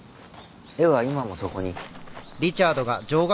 絵は今もそこに。